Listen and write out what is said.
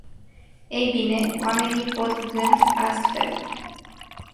Ei bine, oamenii pot gând astfel.